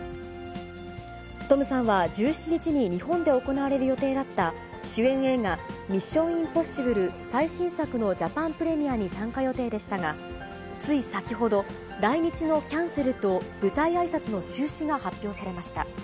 トムさんは１７日に日本で行われる予定だった、主演映画、ミッション・インポッシブル最新作のジャパンプレミアに参加予定でしたが、つい先ほど、来日のキャンセルと、舞台あいさつの中止が発表されました。